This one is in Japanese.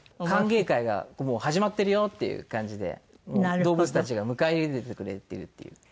歓迎会が始まってるよっていう感じで動物たちが迎え入れてくれてるっていう。